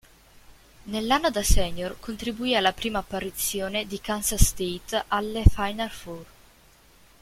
Nell'anno da "senior" contribuì alla prima apparizione di Kansas State alle Final Four.